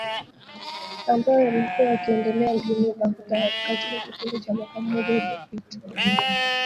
Ambayo yamekuwa yakiendelea mjini Baghdad katika kipindi cha mwaka mmoja uliopita.